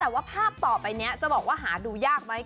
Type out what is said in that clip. แต่ว่าภาพต่อไปนี้จะบอกว่าหาดูยากไหม